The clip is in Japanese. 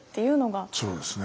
そうですね。